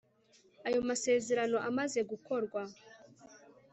ayo masezerano amaze gukorwa